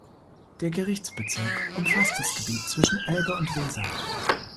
Der Gerichtsbezirk umfasst das Gebiet zwischen Elbe und Weser.